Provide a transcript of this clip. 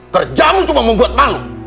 kerjamu cuma membuat bangun